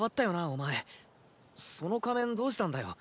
お前その仮面どーしたんだよ。